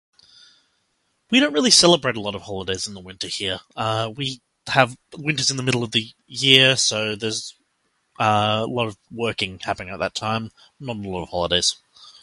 We don't really celebrate a lot of holidays in the winter here. Uh, we have winters in the middle of the year, so there's a lot of working happening at that time, not a lot of holidays.